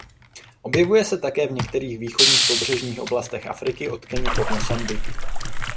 Objevuje se také v některých východních pobřežních oblastech Afriky od Keni po Mosambik.